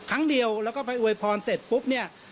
ครั้งเดียวแล้วก็ไปอวยพรเสร็จปุ๊บเนี่ย